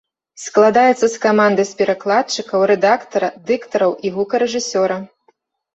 Складаецца з каманды з перакладчыкаў, рэдактара, дыктараў і гукарэжысёра.